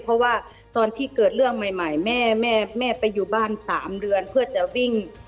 เพราะว่าตอนที่เกิดเรื่องใหม่แม่ไปอยู่บ้าน๓เดือนเพื่อจะวิ่ง